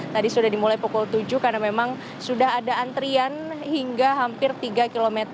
tadi sudah dimulai pukul tujuh karena memang sudah ada antrian hingga hampir tiga km